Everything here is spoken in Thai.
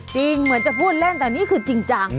เหมือนจะพูดเล่นแต่นี่คือจริงจัง